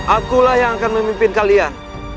akulah yang akan memimpin kalian